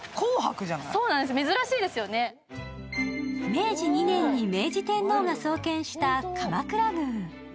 明治２年に明治天皇が創建した鎌倉宮。